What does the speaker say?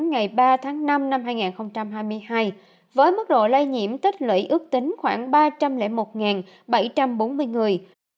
ngày ba tháng năm năm hai nghìn hai mươi hai với mức độ lây nhiễm tích lũy ước tính khoảng ba trăm linh một bảy trăm bốn mươi người